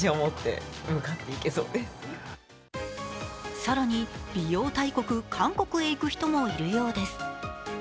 更に、美容大国・韓国へ行く人もいるようです。